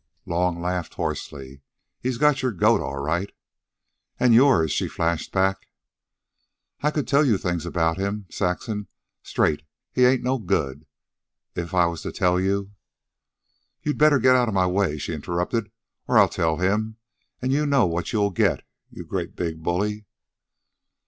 Long laughed hoarsely. "He's got your goat all right." "And yours," she flashed back. "I could tell you things about him. Saxon, straight, he ain't no good. If I was to tell you " "You'd better get out of my way," she interrupted, "or I'll tell him, and you know what you'll get, you great big bully."